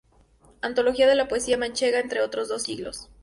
Antología de la poesía manchega entre dos siglos".